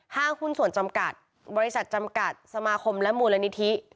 หุ้นส่วนจำกัดบริษัทจำกัดสมาคมและมูลนิธิ